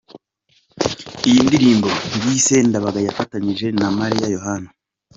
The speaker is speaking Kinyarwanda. Iyi n’indirimbo yise "Ndabaga" yafatanyije na Mariya Yohana.